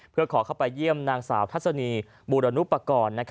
เพื่อขอเข้าไปเยี่ยมนางสาวทัศนีบูรณุปกรณ์